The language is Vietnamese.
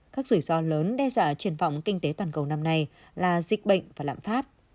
các rủi ro lớn đe dọa triển vọng kinh tế toàn cầu năm nay là dịch bệnh và lạm phát